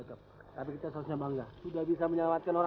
gila indah banget ini sih